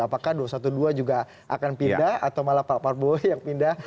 apakah dua ratus dua belas juga akan pindah atau malah pak prabowo yang pindah